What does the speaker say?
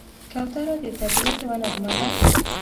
کوتره د طبیعت یوه نغمه ده.